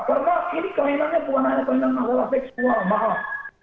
karena ini kelainannya bukan hanya kelainan masalah seksual maaf